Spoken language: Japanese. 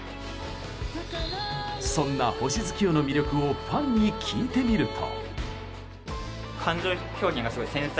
そんな「星月夜」の魅力をファンに聞いてみると。